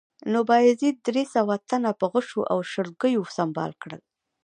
نو بایزید درې سوه تنه په غشو او شلګیو سنبال کړل